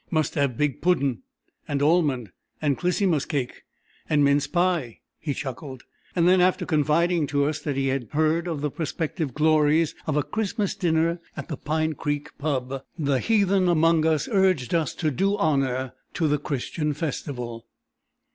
"Must have big poodinn, and almond, and Clisymus cake, and mince pie," he chuckled, and then after confiding to us that he had heard of the prospective glories of a Christmas dinner at the Pine Creek "Pub.," the heathen among us urged us to do honour to the Christian festival.